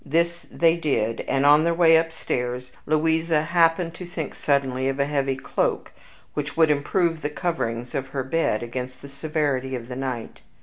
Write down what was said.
This they did; and, on their way upstairs, Louisa happened to think suddenly of a heavy cloak, which would improve the coverings of her bed against the severity of the night.